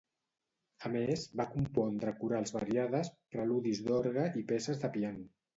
A més, va compondre corals variades, preludis d'orgue i peces de piano.